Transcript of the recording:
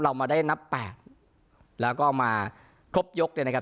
เรามาได้นับแปดแล้วก็มาครบยกเนี่ยนะครับ